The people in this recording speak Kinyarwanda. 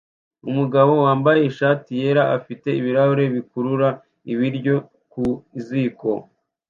Umugabo wambaye ishati yera ifite ibirahure bikurura ibiryo ku ziko